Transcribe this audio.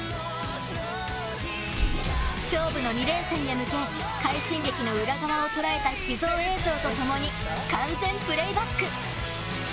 勝負の２連戦へ向け快進撃の裏側を捉えた秘蔵映像と共に完全プレーバック。